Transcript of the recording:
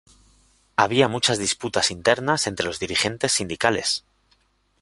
Había muchas disputas internas entre los dirigentes sindicales.